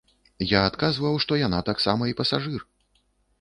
Я адказваў, што яна таксама і пасажыр.